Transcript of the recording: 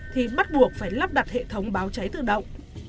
thì bắt buộc phải lắp đặt hệ thống báo cháy tự động